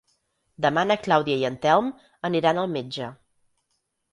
Demà na Clàudia i en Telm aniran al metge.